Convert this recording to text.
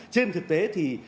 trên thực tế thì